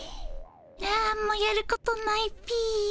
なんもやることないっピィ。